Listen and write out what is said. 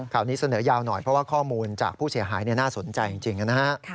นี้เสนอยาวหน่อยเพราะว่าข้อมูลจากผู้เสียหายน่าสนใจจริงนะฮะ